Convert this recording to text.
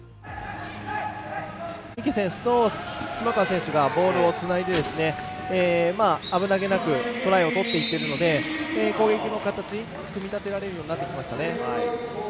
池選手と島川選手がボールをつないで危なげなくトライを取っていってるので攻撃の形、組み立てられるようになってきましたね。